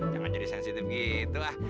jangan jadi sensitif gitu lah